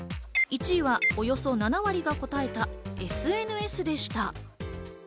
１位はおよそ７割が答えたＳＮＳでした。